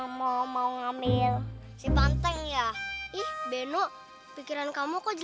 makasih banyak pak ustadz